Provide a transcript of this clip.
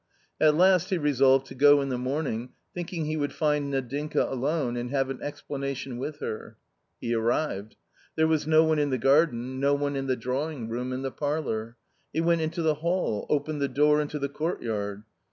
At last he resolved to go in the morning, thinking he would find Nadinka alone and have an explanation with her. He arrived. There was no one in the garden, no one in the drawing room and the parlour. He went into the hall, opened the door into the court yard.